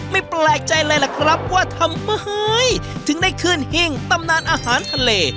ไม่แปลกใจอะไรแหละครับว่าทำไมถึงได้คลื่นหิ้งตำนานอาหารทะเล